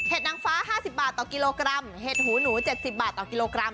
เห็ดนางฟ้าห้าสิบบาทต่อกิโลกรัมเห็ดหูหนูเจ็ดสิบบาทต่อกิโลกรัม